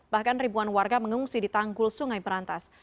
bahkan ribuan warga mengungsi di tangkul sungai perantas